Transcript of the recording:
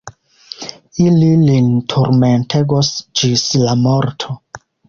Ili lin turmentegos ĝis la morto.